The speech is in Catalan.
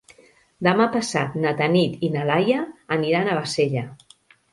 Demà passat na Tanit i na Laia aniran a Bassella.